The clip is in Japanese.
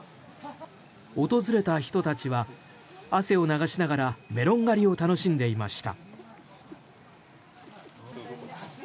訪れた人たちは、汗を流しながらメロン狩りを楽しんでいました。